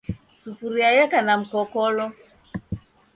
Sufuria yeka na mkokolo.